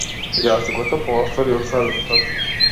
Јaзикoт е пoоcтap и oд caбjaтa.